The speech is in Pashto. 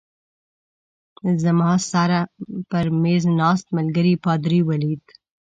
زما سره پر مېز ناست ملګري پادري ولید.